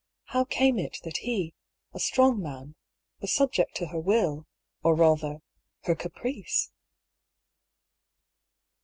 How came it that he, a strong man, was subject to her will, or rather, her caprice